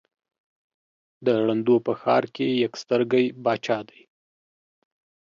د ړندو په ښآر کې يک سترگى باچا دى.